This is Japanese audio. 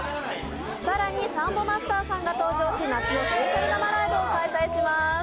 更に、サンボマスターさんが登場し夏のスペシャル生ライブを開催します。